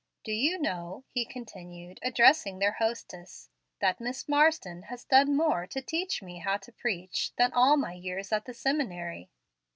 "Do you know," he continued, addressing their hostess, "that Miss Marsden has done more to teach me how to preach than all my years at the seminary?"